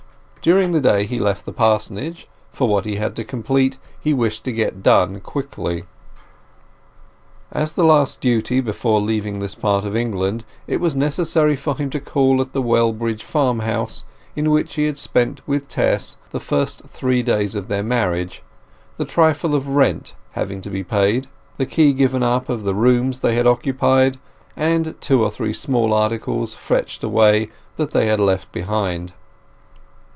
During the day he left the parsonage, for what he had to complete he wished to get done quickly. As the last duty before leaving this part of England it was necessary for him to call at the Wellbridge farmhouse, in which he had spent with Tess the first three days of their marriage, the trifle of rent having to be paid, the key given up of the rooms they had occupied, and two or three small articles fetched away that they had left behind.